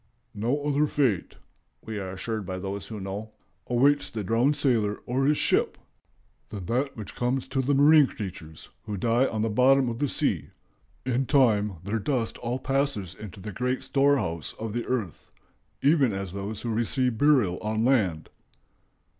"No other fate," we are assured by those who know, "awaits the drowned sailor or his ship than that which comes to the marine creatures who die on the bottom of the sea. In time their dust all passes into the great storehouse of the earth, even as those who receive burial on land."